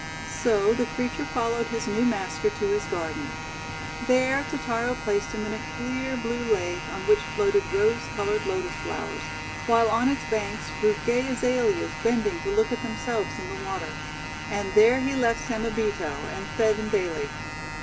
So the creature followed his new master to his garden. There Totaro placed him in a clear blue lake on which floated rose coloured Lotus flowers, while on its banks grew gay Azaleas bending to look at themselves in the water. And there he left Samebito and fed him daily.